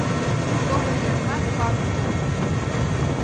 Шовыр йыремат пар полдыш.